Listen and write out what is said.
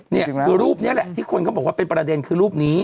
นี่คือรูปนี้แหละที่คนเขาบอกว่าเป็นประเด็นคือรูปนี้